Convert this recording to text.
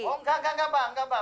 oh enggak enggak mbah